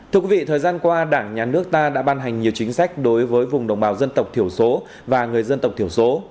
thưa quý vị thời gian qua đảng nhà nước ta đã ban hành nhiều chính sách đối với vùng đồng bào dân tộc thiểu số và người dân tộc thiểu số